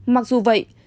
mặc dù vậy